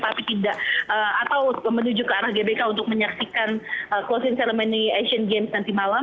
tapi tidak atau menuju ke arah gbk untuk menyaksikan closing ceremony asian games nanti malam